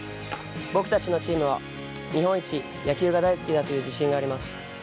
僕たちのチームは日本一野球が大好きだという自信があります。